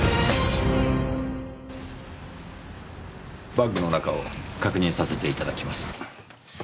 バッグの中を確認させていただきます。